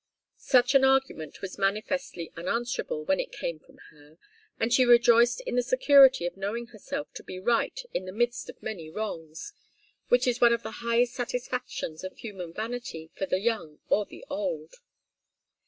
Such an argument was manifestly unanswerable when it came from her, and she rejoiced in the security of knowing herself to be right in the midst of many wrongs, which is one of the highest satisfactions of human vanity for the young or the old.